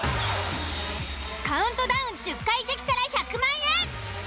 カウントダウン１０回できたら１００万円！